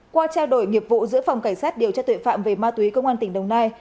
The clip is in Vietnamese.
qua trao đổi nghiệp vụ giữa phòng cảnh sát điều tra tuệ phạm về ma túy công an tỉnh đồng nai